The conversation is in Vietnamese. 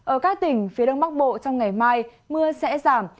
ở các tỉnh phía đông bắc bộ trong ngày mai mưa sẽ giảm